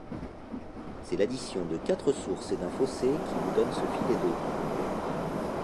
C'est l'addition de quatre sources et d'un fossé qui vous donne ce filet d'eau.